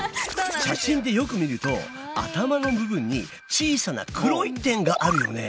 写真でよく見ると頭の部分に小さな黒い点があるよね。